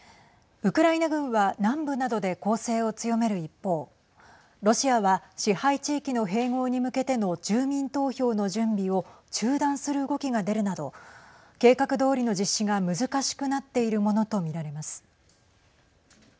ウクライナ軍は南部などで攻勢を強める一方ロシアは支配地域の併合に向けての住民投票の準備を中断する動きが出るなど計画どおりの実施が難しくなっているものと見られます。